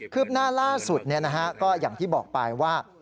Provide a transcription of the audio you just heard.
ืบหน้าล่าสุดก็อย่างที่บอกไปว่า